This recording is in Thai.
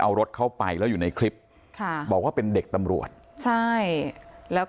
เอารถเข้าไปแล้วอยู่ในคลิปค่ะบอกว่าเป็นเด็กตำรวจใช่แล้วก็